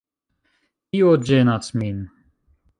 Tio ĝenas min.